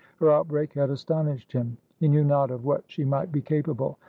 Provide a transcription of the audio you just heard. Her outbreak had astonished him; he knew not of what she might be capable.